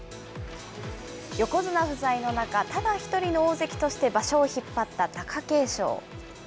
横綱不在の中、ただ１人の大関として場所を引っ張った貴景勝。